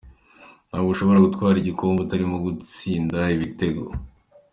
Ntabwo ushobora gutwara igikombe utarimo gutsinda ibitego.